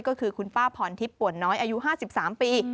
ก็คือคุณป้าพรทิพย์ป่วนน้อยอายุ๕๓ปี